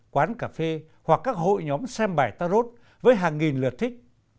quán cà phê hoặc các hội nhóm xem bài tarot với hàng nghìn lượt thích